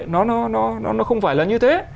nó không phải là như thế